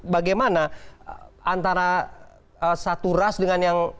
bagaimana antara satu ras dengan yang